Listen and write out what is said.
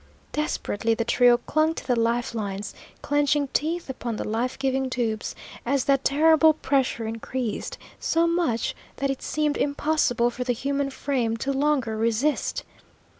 Desperately the trio clung to the life lines, clenching teeth upon the life giving tubes as that terrible pressure increased so much that it seemed impossible for the human frame to longer resist.